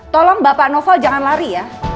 tolong bapak novel jangan lari ya